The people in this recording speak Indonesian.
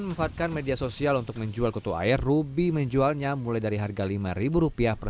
memanfaatkan media sosial untuk menjual kutu air ruby menjualnya mulai dari harga lima rupiah per